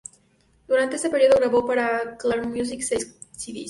Durante ese periodo grabó para Clan Music seis cds.